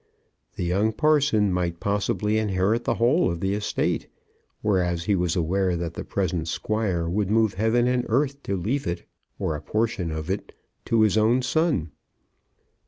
The young parson might possibly inherit the whole of the estate, whereas he was aware that the present Squire would move heaven and earth to leave it, or a portion of it, to his own son.